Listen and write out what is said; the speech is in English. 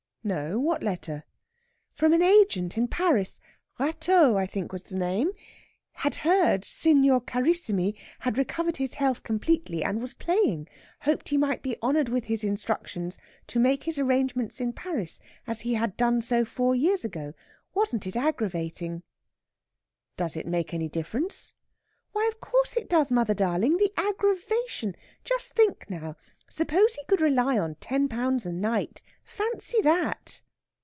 "No what letter?" "From an agent in Paris. Rateau, I think, was the name. Had heard Signor Carissimi had recovered his health completely, and was playing. Hoped he might be honoured with his instructions to make his arrangements in Paris, as he had done so four years ago. Wasn't it aggravating?" "Does it make any difference?" "Why, of course it does, mother darling. The aggravation! Just think now! Suppose he could rely on ten pounds a night, fancy that!"